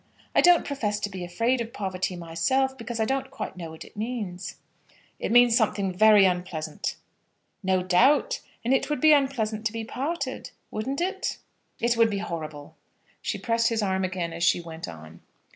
I don't profess to be afraid of poverty myself, because I don't quite know what it means." "It means something very unpleasant." "No doubt; and it would be unpleasant to be parted; wouldn't it?" "It would be horrible." She pressed his arm again as she went on.